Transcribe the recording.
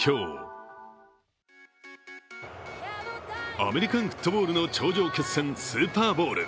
アメリカンフットボールの頂上決戦、スーパーボウル。